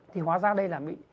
thì hóa ra đây là